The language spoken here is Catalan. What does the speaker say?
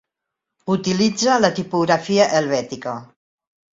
Utilitza la tipografia helvètica.